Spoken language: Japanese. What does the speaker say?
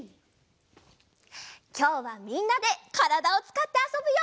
きょうはみんなでからだをつかってあそぶよ！